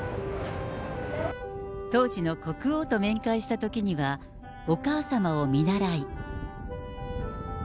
当時の国王と面会したときには、お母さまを見習い。